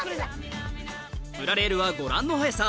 プラレールはご覧の速さ